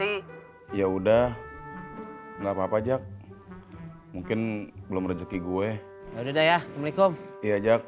agensi ya udah enggak papa jack mungkin belum rezeki gue udah ya assalamu'alaikum ya jack